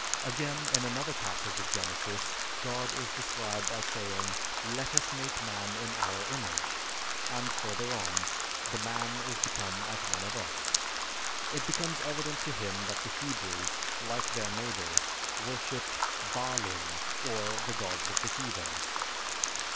Again, in another passage of Genesis, God is described as saying, "Let us make man in our image (I, 26)," and further on, "The man is become as one of us." It becomes evident to him that the Hebrews, like their neighbors, worshiped "baalim" or the gods of the heathens.